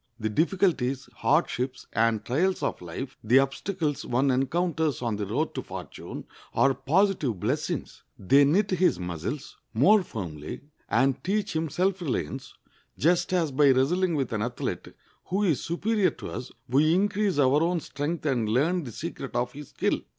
The difficulties, hardships, and trials of life—the obstacles one encounters on the road to fortune—are positive blessings. They knit his muscles more firmly, and teach him self reliance, just as by wrestling with an athlete who is superior to us we increase our own strength and learn the secret of his skill.